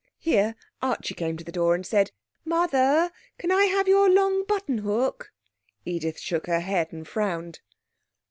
'' Here Archie came to the door and said, 'Mother, can I have your long buttonhook?' Edith shook her head and frowned.